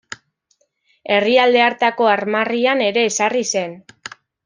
Herrialde hartako armarrian ere ezarri zen.